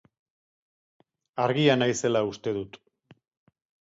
Argia naizela uste dut.